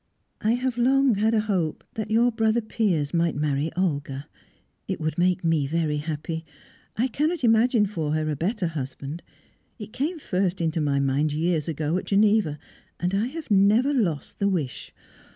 "I have long had a hope that your brother Piers might marry Olga. It would make me very happy; I cannot imagine for her a better husband. It came first into my mind years ago, at Geneva, and I have never lost the wish.